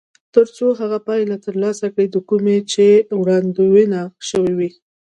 تر څو هغه پایله ترلاسه کړي د کومې چې وړاندوينه شوې وي.